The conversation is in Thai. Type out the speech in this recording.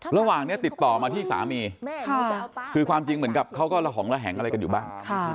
ระหว่างนี้ติดต่อมาที่สามีคือความจริงเหมือนกับเขาก็ระหองระแหงอะไรกันอยู่บ้าง